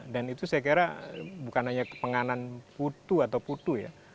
dan itu saya kira bukan hanya kepenganan putu atau putu